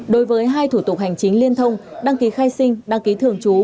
đối với hai thủ tục hành chính liên thông đăng ký khai sinh đăng ký thường trú